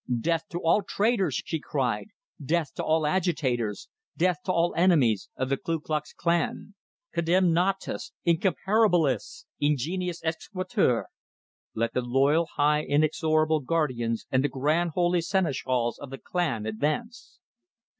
"Death to all traitors!" she cried. "Death to all agitators! Death to all enemies of the Ku Klux Klan! Condemnatus! Incomparabilis! Ingenientis exequatur! Let the Loyal High Inexorable Guardians and the Grand Holy Seneschals of the Klan advance!"